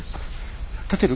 立てる？